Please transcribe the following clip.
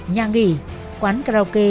nhà nghỉ quán karaoke